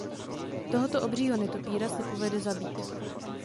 Tohoto "obřího netopýra" se povede zabít.